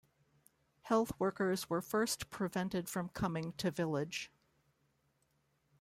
Health workers were first prevented from coming to village.